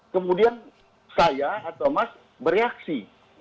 kemudian saya atau mas bereaksi